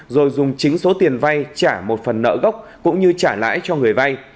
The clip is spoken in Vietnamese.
rồi dùng chính số tiền vay trả một phần nợ gốc cũng như trả lãi cho người vay